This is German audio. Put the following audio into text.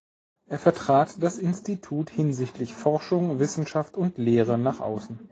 Er vertrat das Institut hinsichtlich Forschung, Wissenschaft und Lehre nach außen.